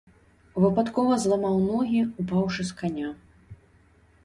Выпадкова зламаў ногі, упаўшы з каня.